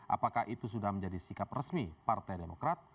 apakah itu sudah menjadi sikap resmi partai demokrat